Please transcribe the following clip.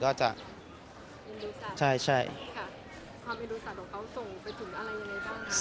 ความจริงของเขาจะส่งไปถึงอะไรอย่างไรบ้างครับ